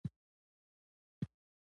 سترګې په تیاره رنګونه ویني.